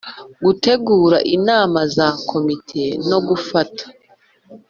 Gutegura inama za Komite no gufata